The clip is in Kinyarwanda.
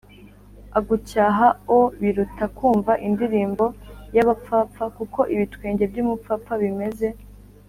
agucyaha o biruta kumva indirimbo y abapfapfa kuko ibitwenge by umupfapfa bimeze